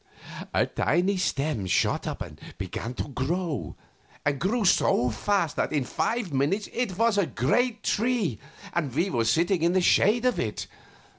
A tiny stem shot up and began to grow, and grew so fast that in five minutes it was a great tree, and we were sitting in the shade of it.